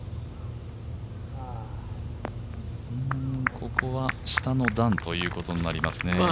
ここは下の段ということになりますね。